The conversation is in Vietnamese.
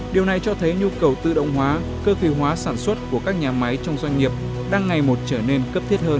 điều này cho thấy nhu cầu tự động hóa cơ khí hóa sản xuất của các nhà máy trong doanh nghiệp đang ngày một trở nên cấp thiết hơn